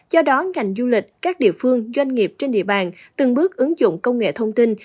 do đó ngành du lịch các địa phương doanh nghiệp trên địa bàn từng bước ứng dụng công nghệ thông tin